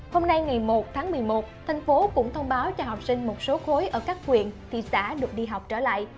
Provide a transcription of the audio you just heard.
hôm nay ngày một tháng một mươi một thành phố cũng thông báo cho học sinh một số khối ở các huyện thị xã được đi học trở lại